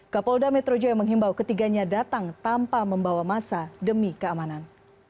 kapolda metro jaya menghimbau ketiganya datang tanpa membawa masa demi keamanan